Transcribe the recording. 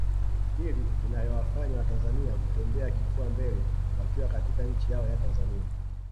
Hli inayowafanya watanzania kutembea kifua mbele wakiwa katika nchi yao ya Tanzania